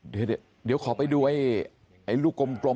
เดี๋ยวเดี๋ยวขอไปดูไอ้ลูกกลมฟรม